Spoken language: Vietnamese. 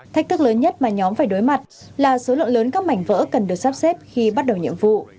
thách thức lớn nhất mà nhóm phải đối mặt là số lượng lớn các mảnh vỡ cần được sắp xếp khi bắt đầu nhiệm vụ